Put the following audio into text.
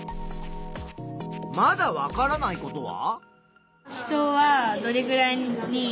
まだわからないことは？